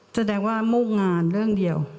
แสดงว่ามุ่งงานเรื่องเดียว